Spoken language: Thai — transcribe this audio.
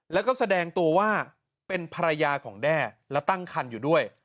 แล้วก็แสดงตัวว่าเป็นภรรยาของแด้แล้วตั้งคันอยู่ด้วย